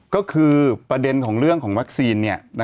ก็คือประเด็นของเรื่องของวัคซีน